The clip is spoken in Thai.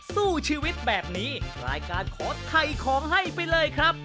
สู้ชีวิตแบบนี้รายการขอไข่ของให้ไปเลยครับ